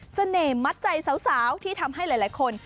เสน่ห์มัดใจสาวที่ทำให้หลายคน